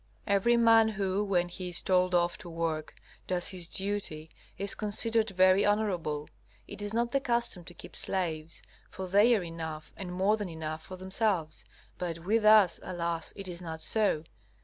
Every man who, when he is told off to work, does his duty, is considered very honorable. It is not the custom to keep slaves. For they are enough, and more than enough, for themselves. But with us, alas! it is not so.